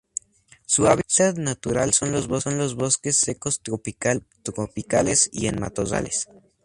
Su hábitat natural son los bosques secos tropicales y subtropicales y en matorrales.